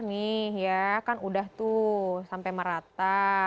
nih ya kan udah tuh sampai merata